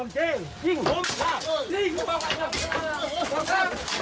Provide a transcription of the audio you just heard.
ตั้งปลา